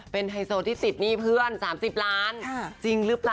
เป็นไฮโซที่ติดหนี้เพื่อน๓๐ล้านจริงหรือเปล่า